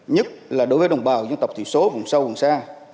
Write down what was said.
nhất là đối với đồng bào dân tộc thiểu số vùng sâu vùng xa